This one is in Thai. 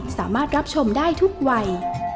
สามารถรับชมได้ทุกวัย